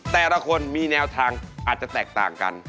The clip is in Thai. แต่ละคนมีแนวทางอาจจะแตกต่างกัน